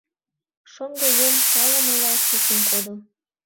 Шоҥго еҥ палымыла чучын кодо.